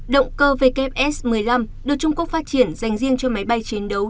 động cơ ws một mươi năm được trung quốc phát triển dành riêng cho máy bay chiến đấu